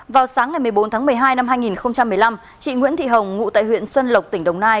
vào sáng ngày một mươi bốn tháng một mươi hai năm hai nghìn một mươi năm chị nguyễn thị hồng ngụ tại huyện xuân lộc tỉnh đồng nai